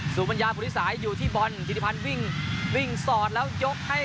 สุบัญญาพุทธประสาทอยู่ที่บอลจิติพันธ์วิ่งวิ่งโสดแล้วยกให้